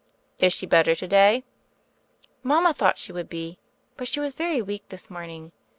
"Is she better to day?" "Mama thought she would be; but she was very weak this morning.